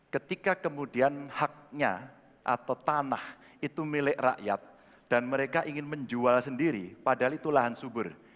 ketika kemudian haknya atau tanah itu milik rakyat dan mereka ingin menjual sendiri padahal itu lahan subur